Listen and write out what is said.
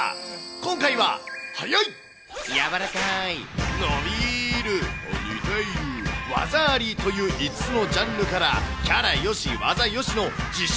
今回は速い、柔らかい、伸びーる、似ている、技ありという５つのジャンルから、キャラよし、技よしの自称